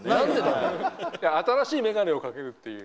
新しい眼鏡をかける。